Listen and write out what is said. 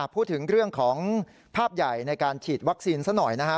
พูดถึงเรื่องของภาพใหญ่ในการฉีดวัคซีนซะหน่อยนะฮะ